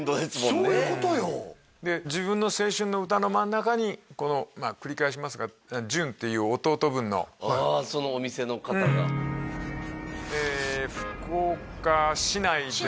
そういうことよで自分の青春の歌の真ん中にこの繰り返しますが潤っていう弟分のああそのお店の方が福岡市内ですね